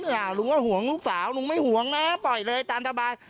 ลุงก็ห่วงลูกสาวลุงไม่ห่วงนะปล่อยเลยตามสบาย